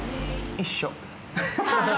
一緒。